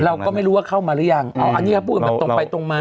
เราก็ไม่รู้ว่าเข้ามาหรือยังอ๋ออันนี้เขาพูดกันแบบตรงไปตรงมา